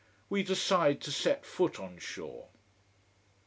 We decide to set foot on shore.